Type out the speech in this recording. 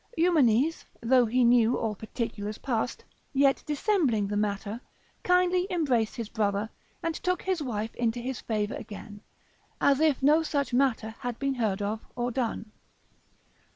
Eumenes, though he knew all particulars passed, yet dissembling the matter, kindly embraced his brother, and took his wife into his favour again, as if on such matter had been heard of or done.